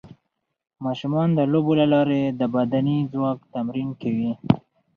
ماشومان د لوبو له لارې د بدني ځواک تمرین کوي.